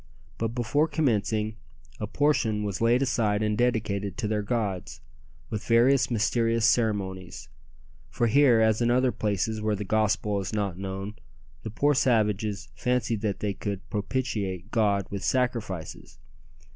But before commencing a portion was laid aside and dedicated to their gods, with various mysterious ceremonies; for here, as in other places where the gospel is not known, the poor savages fancied that they could propitiate God with sacrifices.